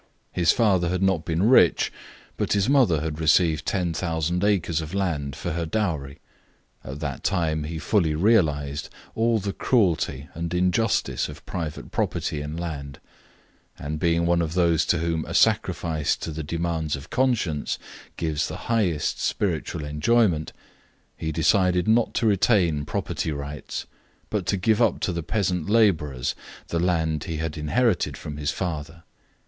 His father had not been rich, but his mother had received 10,000 acres of land for her dowry. At that time he fully realised all the cruelty and injustice of private property in land, and being one of those to whom a sacrifice to the demands of conscience gives the highest spiritual enjoyment, he decided not to retain property rights, but to give up to the peasant labourers the land he had inherited from his father.